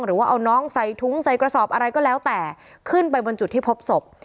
หรือว่าเอาน้องใส่ถุงใส่กระสอบอะไรก็แล้วแต่ขึ้นไปบนจุดที่พบศพ